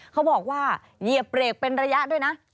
เขาบอกว่าเหยียบเบรกเป็นระยะด้วยนะ